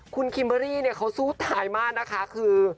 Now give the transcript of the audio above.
คุณคิมเบอร์รี่เนี่ยเขาสู้ตายมากนะคะคือ